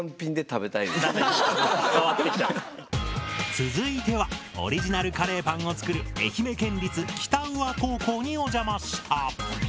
続いてはオリジナルカレーパンを作る愛媛県立北宇和高校にお邪魔した！